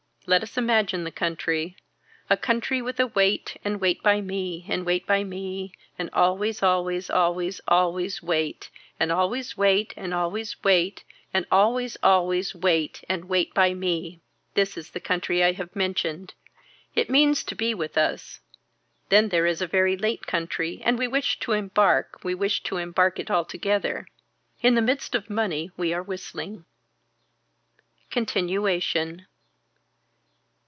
Let us imagine the country. A country with a wait and wait by me and wait by me and always always always always wait and always wait and always wait and always always wait and wait by me. This is the country I have mentioned. It means to be with us. Then there is a very late country and we wish to embark we wish to embark it altogether. In the midst of money we are whistling. Continuation.